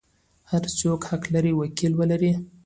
هر څوک حق لري وکیل ولري.